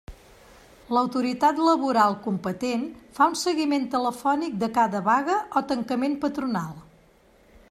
L'autoritat laboral competent fa un seguiment telefònic de cada vaga o tancament patronal.